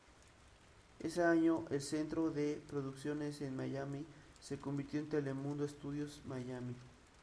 Ese año, el centro de producciones en Miami se convirtió en Telemundo Studios Miami.